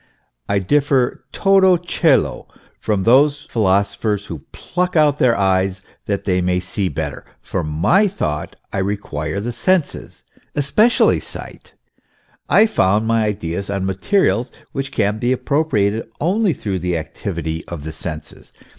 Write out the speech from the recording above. I differ toto ccelo from those philosophers who pluck out their eyes that they may see better; for my thought I require the senses, especially sight ; I found my ideas on materials which can be appropriated only through the activity of the senses.